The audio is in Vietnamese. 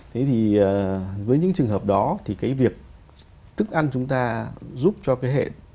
thế thì với những trường hợp đó thì cái việc thức ăn chúng ta giúp cho cái hệ